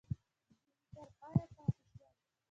ځیني تر پایه پاته شول.